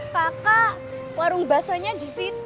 pakak warung basahnya di situ